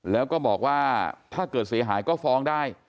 แล้วก็บอกว่าถ้าเกิดเสียหายก็ฟ้องได้